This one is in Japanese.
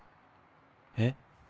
えっ？